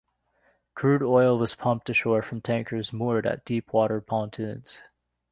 Crude oil was pumped ashore from tankers moored at deep-water pontoons.